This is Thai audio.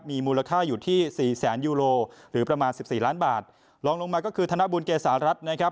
มีมูลค่าอยู่ที่สี่แสนยูโรหรือประมาณสิบสี่ล้านบาทลองลงมาก็คือธนบุญเกษารัฐนะครับ